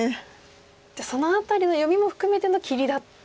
じゃあその辺りの読みも含めての切りだった。